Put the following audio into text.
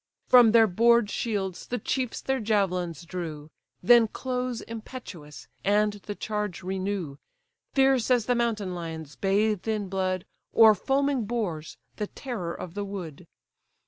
From their bored shields the chiefs their javelins drew, Then close impetuous, and the charge renew; Fierce as the mountain lions bathed in blood, Or foaming boars, the terror of the wood.